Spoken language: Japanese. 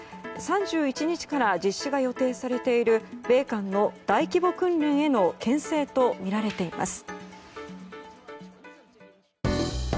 ３１日から実施が予定されている米韓の大規模訓練への牽制とみられています。